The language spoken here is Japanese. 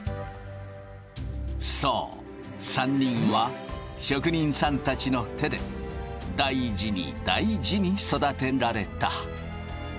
そう３人は職人さんたちの手で大事に大事に育てられた。